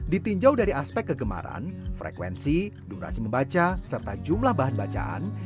ditinjau dari aspek kegemaran frekuensi durasi membaca serta jumlah bahan bacaan